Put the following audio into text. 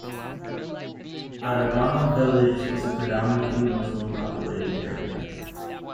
Edavanna village is a predominantly Muslim populated area.